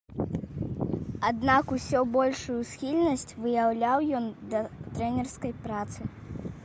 Аднак усё большую схільнасць выяўляў ён да трэнерскай працы.